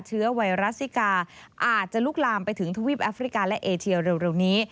เชื้อไวรัสซิกาอาจจะลุกลามไปถึงทวีปแอฟริกาและเอเชียเร็วนี้